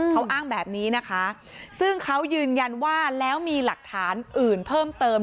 เขาอ้างแบบนี้นะคะซึ่งเขายืนยันว่าแล้วมีหลักฐานอื่นเพิ่มเติม